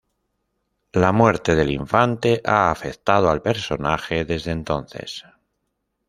La muerte del infante ha afectado al personaje desde entonces.